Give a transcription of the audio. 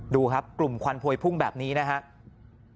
ดูครับกลุ่มควันพวยพุ่งแบบนี้นะครับ